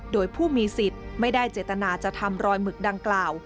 โดยผู้มีสิทธิ์ไม่ได้เจตนาจะทำรอยหมึกดังกล่าว